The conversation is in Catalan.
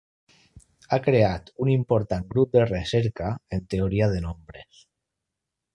Ha creat un important grup de recerca en teoria de nombres.